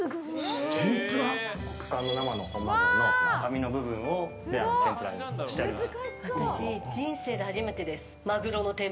国産の生の本マグロの赤身の部分をレアの天ぷらにしております。